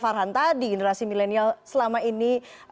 farhan tadi generasi milenial selama ini